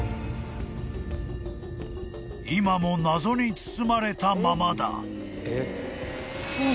［今も謎に包まれたままだ］